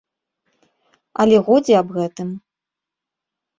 Але годзе аб гэтым!